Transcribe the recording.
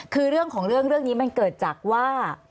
คือเรื่องของเรื่องนี้มันเกิดจากว่า